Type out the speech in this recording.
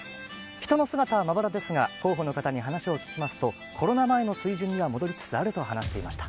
人の姿はまばらですが、広報の方に話を聞きますと、コロナ前の水準には戻りつつあると話していました。